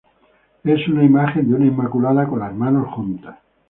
Es una imagen de una inmaculada con las manos juntas.